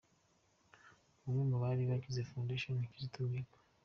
Bamwe mu bari bagize Fondation Kizito Mihigo